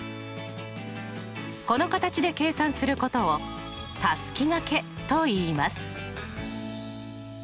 この形で計算することをたすきがけといいます。